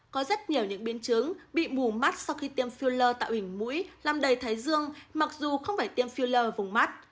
có rất nhiều những biến chứng bị mù mắt sau khi tiêm filler tạo hình mũi làm đầy thái dương mặc dù không phải tiêm filler vùng mắt